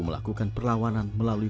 melakukan perlawanan melalui